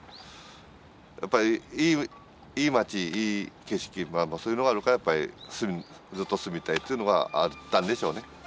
やっぱりいい町いい景色そういうのがあるからやっぱりずっと住みたいっていうのがあったんでしょうね。